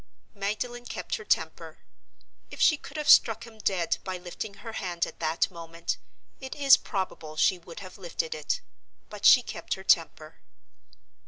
Magdalen kept her temper. If she could have struck him dead by lifting her hand at that moment, it is probable she would have lifted it. But she kept her temper.